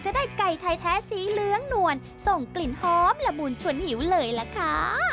จะได้ไก่ไทยแท้สีเหลืองนวลส่งกลิ่นหอมละมุนชวนหิวเลยล่ะค่ะ